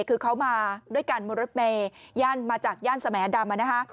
คือเขามาด้วยกันบนรถเมย์มาจากย่านสมัยอดำ